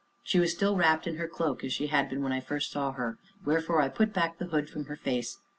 She was still wrapped in her cloak, as she had been when I first saw her, wherefore I put back the hood from her face.